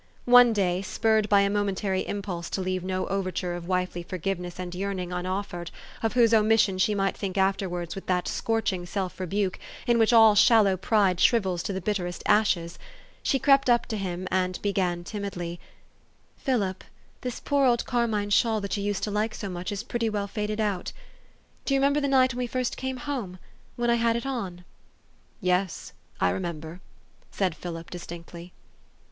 One day, spurred by a momentary impulse to leave no overture of wifely forgiveness and yearn ing unoffered, of whose omission she might think afterwards with that scorching self rebuke in which all shallow pride shrivels to the bitterest ashes, she crept up to him and began timidly, " Philip, this poor old carmine shawl that you used to like so much is pretty well faded out. Do 3'ou remember the night when we first came home, when I had it on?" " Yes, I remember," said Philip distinctly.